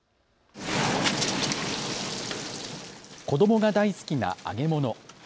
子どもが大好きな揚げ物。